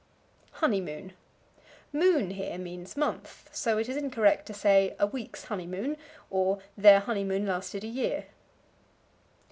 Honeymoon. Moon here means month, so it is incorrect to say, "a week's honeymoon," or, "Their honeymoon lasted a year."